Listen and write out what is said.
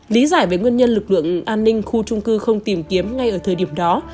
lý giải về nguyên nhân lực lượng an ninh khu trung cư không tìm kiếm ngay ở thời điểm đó